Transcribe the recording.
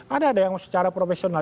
ada ada yang secara profesional